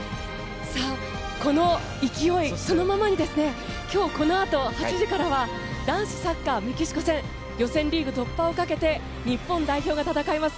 この勢いそのままに今日、このあと８時からは男子サッカー、メキシコ戦。予選リーグ突破をかけて日本代表が戦います。